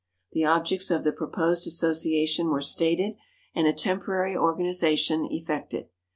The objects of the proposed association were stated and a temporary organization effected.